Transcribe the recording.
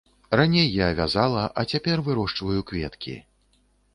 Раней я вязала, а цяпер вырошчваю кветкі.